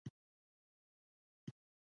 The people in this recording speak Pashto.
د هرات پسته هم ډیر کیفیت لري.